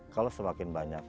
kalau semakin banyak